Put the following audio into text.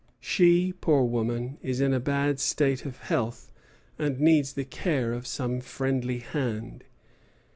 She, poor woman, is in a bad state of health, and needs the care of some friendly hand.